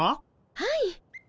はい。